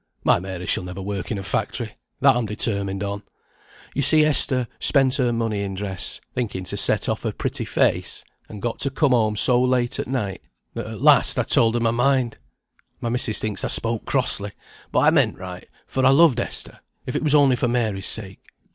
My Mary shall never work in a factory, that I'm determined on. You see Esther spent her money in dress, thinking to set off her pretty face; and got to come home so late at night, that at last I told her my mind: my missis thinks I spoke crossly, but I meant right, for I loved Esther, if it was only for Mary's sake.